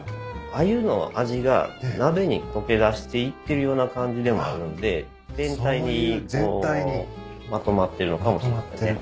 アユの味が鍋に溶けだしていってるような感じでもあるんで全体にこうまとまってるのかもしれませんね。